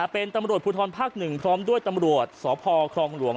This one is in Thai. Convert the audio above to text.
เป็นตำรวจภูทรภาค๑พร้อมด้วยตำรวจสพครองหลวง